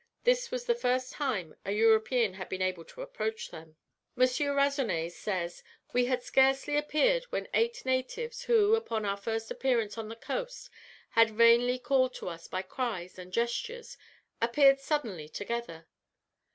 This was the first time a European had been able to approach them. M. Ransonnet says, "We had scarcely appeared when eight natives, who, upon our first appearance on their coast, had vainly called to us by cries and gestures, appeared suddenly together.